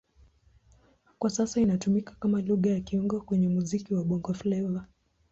Kwa sasa inatumika kama Lugha ya kiungo kwenye muziki wa Bongo Flava.